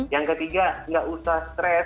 yang ketiga nggak usah stres